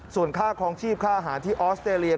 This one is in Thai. ส่วนค่าคลองชีพค่าอาหารที่ออสเตรเลีย